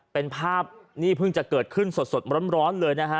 เป็นภาพนี่เพิ่งจะเกิดขึ้นสดร้อนเลยนะฮะ